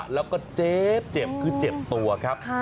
แล้วก็เจ็บเจ็บตัวคือเจ็บตัวครับ